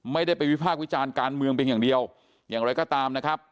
ไม่ได้ไปวิพากษ์วิจารณ์การเมืองเป็นอย่างเดียวอย่างไรก็ตามนะครับ